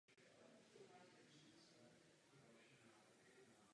Ta byla sociálně radikální a dočasně dokonce utvořila spojenectví se sociálními demokraty.